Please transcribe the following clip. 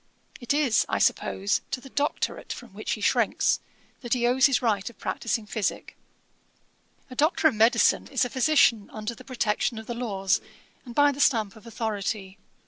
It is, I suppose, to the doctorate, from which he shrinks, that he owes his right of practising physick. A doctor of Medicine is a physician under the protection of the laws, and by the stamp of authority.